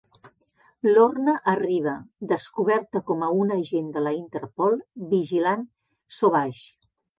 Lorna arriba, descoberta com una agent de la Interpol vigilant Sauvage.